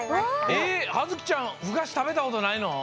えっはづきちゃんふがし食べたことないの？